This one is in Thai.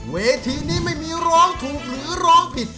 เวทีนี้ไม่มีร้องถูกหรือร้องผิด